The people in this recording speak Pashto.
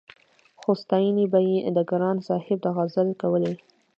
خو ستاينې به يې د ګران صاحب د غزل کولې-